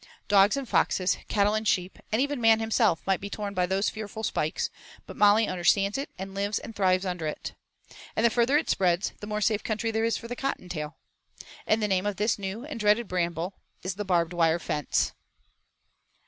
Dogs and foxes, cattle and sheep, and even man himself might be torn by those fearful spikes: but Molly understands it and lives and thrives under it. And the further it spreads the more safe country there is for the Cottontail. And the name of this new and dreaded bramble is the barbed wire fence.